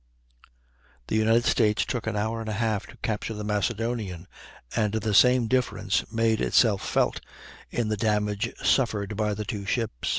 The United States took an hour and a half to capture the Macedonian, and the same difference made itself felt in the damage suffered by the two ships.